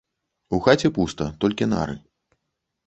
У хаце пуста, толькі нары.